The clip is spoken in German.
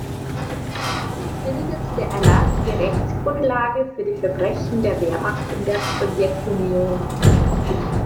Damit bildete der Erlass die „Rechtsgrundlage“ für die Verbrechen der Wehrmacht in der Sowjetunion.